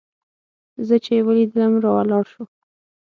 زه چې يې ولېدلم راولاړ سو.